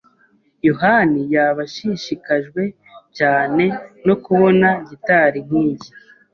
yohani yaba ashishikajwe cyane no kubona gitari nkiyi.